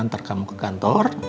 ntar kamu ke kantor